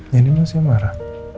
jadi masih marah